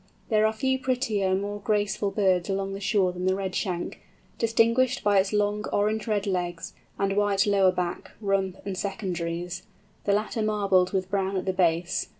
There are few prettier and more graceful birds along the shore than the Redshank, distinguished by its long orange red legs, and white lower back, rump, and secondaries—the latter marbled with brown at the base.